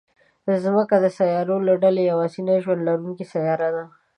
مځکه د سیارو له ډلې یوازینۍ ژوند لرونکې سیاره ده.